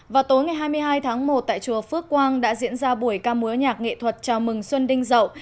vào tối ngày hai mươi hai tháng một tại chùa phước quang đã diễn ra buổi ca múa nhạc nghệ thuật chào mừng xuân đinh rậu